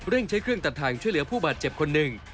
ใช้เครื่องตัดทางช่วยเหลือผู้บาดเจ็บคนหนึ่ง